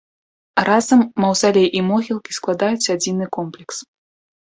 Разам маўзалей і могілкі складаюць адзіны комплекс.